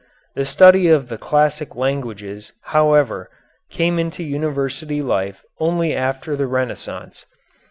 The study of the classic languages, however, came into university life only after the Renaissance.